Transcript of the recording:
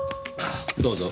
どうぞ。